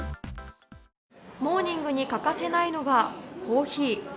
モーニングに欠かせないのがコーヒー。